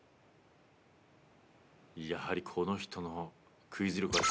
やはりこの人のクイズ力は。